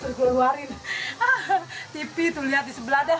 tv tuh lihat di sebelah dah udah kayak apa tau